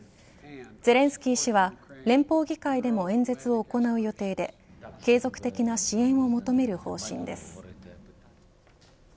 ゼレンスキー氏は連邦議会でも演説を行う予定で継続的な支援を求める方針です。